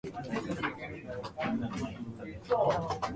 Hundreds of members of the Rapid Police Unit were deployed.